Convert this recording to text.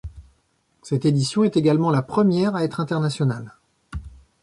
Cette édition est également la première à être internationale.